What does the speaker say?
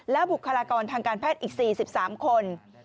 บุคลากรทางการแพทย์อีก๔๓คน